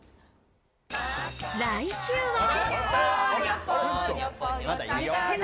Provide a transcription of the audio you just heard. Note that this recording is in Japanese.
来週は。